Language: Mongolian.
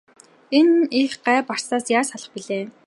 Энэ их гай барцдаас яаж салах билээ?